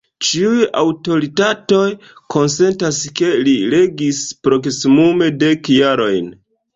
Ĉiuj aŭtoritatoj konsentas ke li regis proksimume dek jarojn.